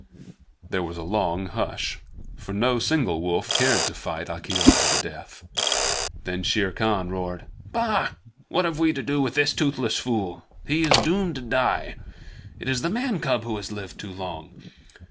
There was a long hush, for no single wolf cared to fight Akela to the death. Then Shere Khan roared: "Bah! What have we to do with this toothless fool? He is doomed to die! It is the man cub who has lived too long.